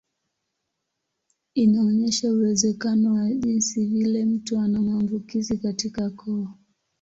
Inaonyesha uwezekano wa jinsi vile mtu ana maambukizi katika koo.